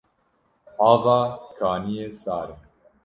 Ava kaniyê sar e.